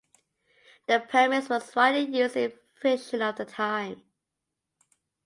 The premise was widely used in fiction of the time.